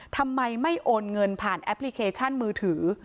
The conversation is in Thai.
ทำไมไม่โอนเงินผ่านแอปพลิเคชันมือถือ